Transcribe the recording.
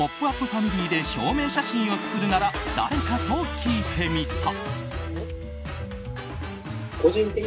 ファミリーで証明写真を作るなら、誰かと聞いてみた。